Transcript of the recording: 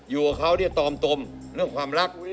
อยู่กับเขาเนี่ยตอมตมเรื่องความรัก